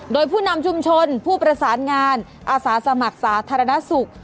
โดยผู้นำชุมชนผู้ประสานงานอาสาสมัครสาธารณสุข